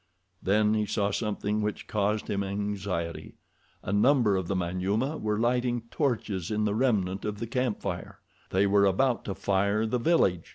Then he saw something which caused him anxiety—a number of the Manyuema were lighting torches in the remnant of the camp fire. They were about to fire the village.